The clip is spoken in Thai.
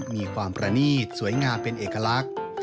มีความประนีตสวยงามเป็นเอกลักษณ์